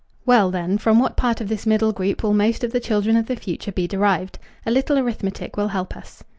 Well, then, from what part of this middle group will most of the children of the future be derived? A little arithmetic will help us.